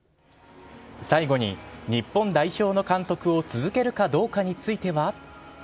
最後に日本代表の監督を続けるかどうかについては。